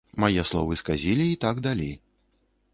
Мае словы сказілі і так далі.